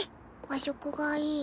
和食がいい。